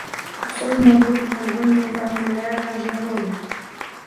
صُمٌّ بُكْمٌ عُمْيٌ فَهُمْ لَا يَرْجِعُونَ